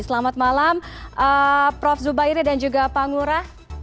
selamat malam prof zubairi dan juga pak ngurah